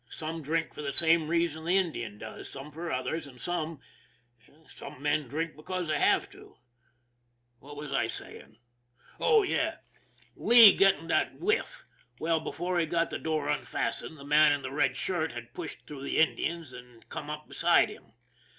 Some drink for the same reason the Indian does, some for others, and some some men drink because they have to. What was I saying? Oh, yes, Lee getting that whiff. Well, before he got the door unfastened, the man in the red shirt had pushed through the Indians and come up beside him.